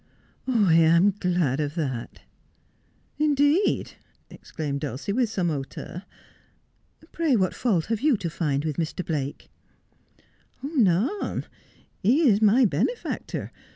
' I am glad of that.' ' Indeed !' exclaimed Dulcie, with some hauteur. ' Pray, what fault have you to find with Mr. Blake I '' None. He is my benefactor.